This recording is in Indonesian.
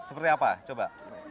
seperti apa coba